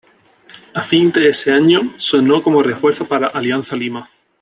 A fin de ese año sonó como refuerzo para Alianza Lima.